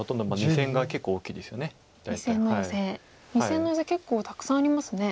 ２線のヨセ結構たくさんありますね。